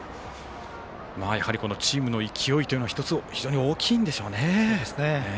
やはり、チームの勢いというのは１つ、非常に大きいんでしょうね。